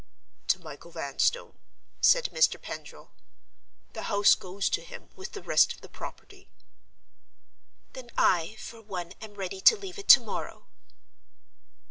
"To Michael Vanstone," said Mr. Pendril. "The house goes to him with the rest of the property." "Then I, for one, am ready to leave it tomorrow!"